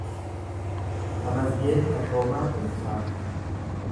Tamasgeen Tashoomaa Kumsaa